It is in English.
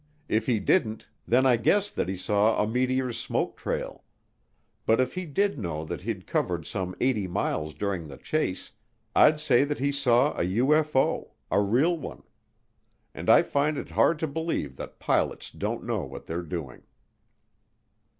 If he didn't, then I'd guess that he saw a meteor's smoke trail. But if he did know that he'd covered some 80 miles during the chase, I'd say that he saw a UFO a real one. And I find it hard to believe that pilots don't know what they're doing.